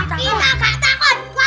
ayo kejar aja